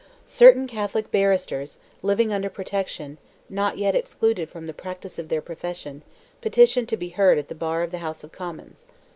Certain Catholic barristers, living under protection, not yet excluded from the practice of their profession, petitioned to be heard at the bar of the House of Commons.